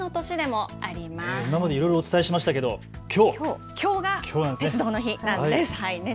今までいろいろお伝えしましたけれども、きょうなんですね。